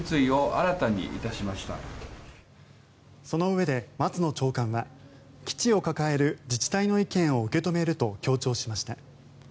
そのうえで、松野長官は基地を抱える自治体の意見を受け止めると強調しました。